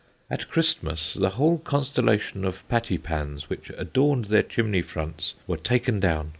At Christmas, the whole Constellation of Pattypans which adorn'd their Chimney fronts were taken down.